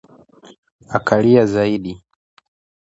Akalia zaidi